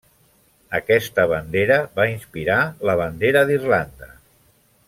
Aquesta bandera va inspirar la bandera d'Irlanda.